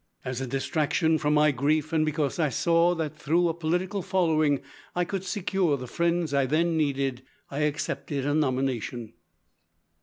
As a distraction from my grief, and because I saw that through a political following I could secure the friends I then needed, I accepted a nomination."